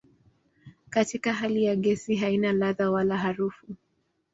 Katika hali ya gesi haina ladha wala harufu.